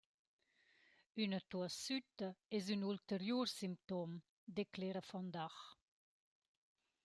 «Üna tuoss sütta es ün ulteriur simptom», declera von Dach.